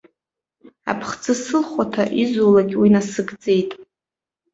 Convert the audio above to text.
Аԥхӡы сылхәаҭа, изулак уи насыгӡеит.